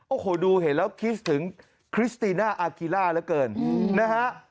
โอ้โหดูเห็นแล้วคิดถึงคริสติน่าอากิล่าเหลือเกินนะฮะ